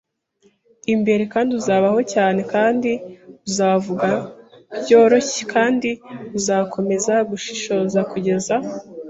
imbere, kandi uzabaho cyane, kandi uzavuga byoroshye, kandi uzakomeza gushishoza kugeza I.